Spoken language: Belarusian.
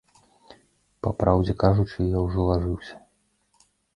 Па праўдзе кажучы, я ўжо лажыўся.